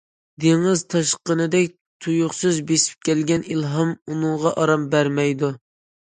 دېڭىز تاشقىنىدەك تۇيۇقسىز بېسىپ كەلگەن ئىلھام ئۇنىڭغا ئارام بەرمەيدۇ.